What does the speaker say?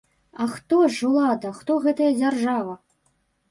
А хто ж улада, хто гэтая дзяржава?!